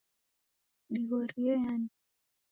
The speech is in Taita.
dighorie yani